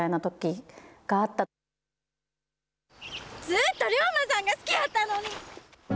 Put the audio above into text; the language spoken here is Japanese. ずっと龍馬さんが好きやったのに。